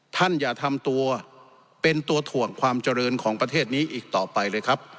ท่านอย่าทำตัวเป็นตัวถ่วงความเจริญของประเทศนี้อีกต่อไปเลยครับ